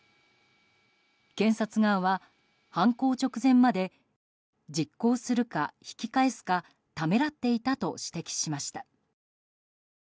検察側は、犯行直前まで実行するか引き返すかためらっていたと指摘しました。